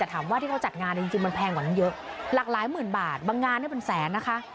แต่ถามว่าที่เขาจัดงานเนี่ยจริงมันแพงกว่านั้นเยอะหลากหลายหมื่นบาทบางงานเนี่ยเป็นแสนนะคะ